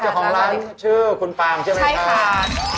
เจ้าของร้านชื่อคุณปามใช่ไหมครับ